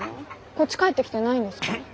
こっち帰ってきてないんですか？